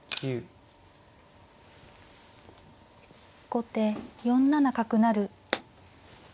後手４七角成。